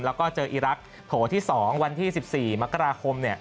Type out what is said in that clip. แล้วก็เจออีรักษ์โถที่๒วันที่๑๔มกราคม